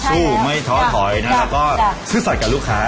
สู้ไม่ท้อถอยนะครับก็ซื่อสัตว์กับลูกค้า